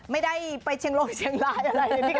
ไม่ได้ไปเชียงโลกเชียงร้ายอะไร